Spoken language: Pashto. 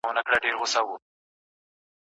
څه شڼهار د مرغلينو اوبو